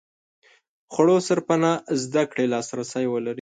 خوړو سرپناه زده کړې لاس رسي ولري.